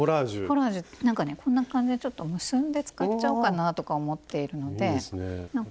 コラージュなんかねこんな感じでちょっと結んで使っちゃおうかなとか思っているので。